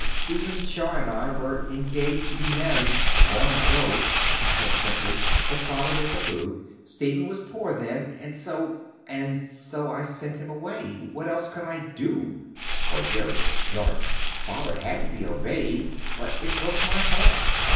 "Stephen Shaw and I were engaged to be married long ago," she said simply. "But Father disapproved. Stephen was poor then. And so and so I sent him away. What else could I do?" for Jerry had snorted "Father had to be obeyed. But it broke my heart.